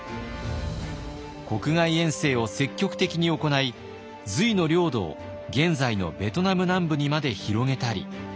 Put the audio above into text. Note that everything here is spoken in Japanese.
国外遠征を積極的に行い隋の領土を現在のベトナム南部にまで広げたり。